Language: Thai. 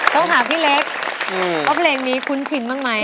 โทรหาพี่เล็กว่าเพลงนี้คุ้นชินบ้างไหม